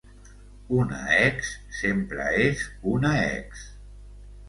Una ex sempre és una ex.